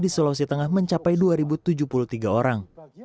di sulawesi tengah mencapai dua tujuh puluh tiga orang